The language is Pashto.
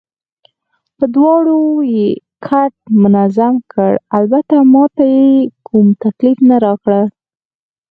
په دواړو یې کټ منظم کړ، البته ما ته یې کوم تکلیف نه راکړ.